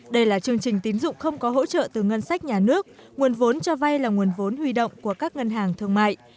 đây là chương trình tín dụng không có hỗ trợ từ ngân sách nhà nước nguồn vốn cho vay là nguồn vốn huy động của các ngân hàng thương mại